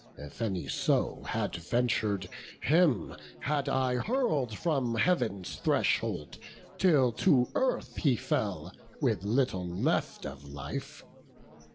If any so had ventur'd, him had I Hurl'd from Heav'n's threshold till to earth he fell, With little left of life.